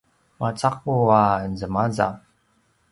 macaqu a zemazav